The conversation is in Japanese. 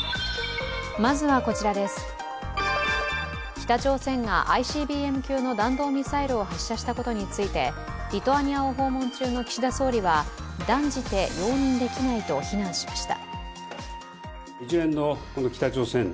北朝鮮がＩＣＢＭ級の弾道ミサイルを発射したことについてリトアニアを訪問中の岸田総理は、断じて容認できないと非難しました。